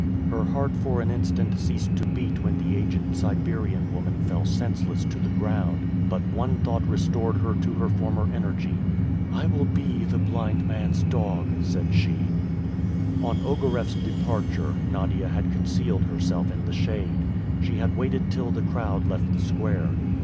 Her heart for an instant ceased to beat when the aged Siberian woman fell senseless to the ground, but one thought restored her to her former energy. "I will be the blind man's dog," said she. On Ogareff's departure, Nadia had concealed herself in the shade. She had waited till the crowd left the square.